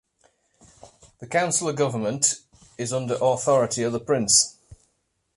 The Council of Government is under the authority of the prince.